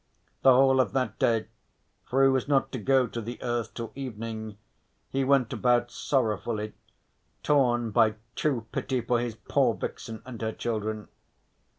The whole of that day, for he was not to go to the earth till evening, he went about sorrowfully, torn by true pity for his poor vixen and her children.